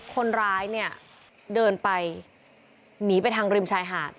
คนร้ายเนี่ยเดินไปหนีไปทางริมชายหาด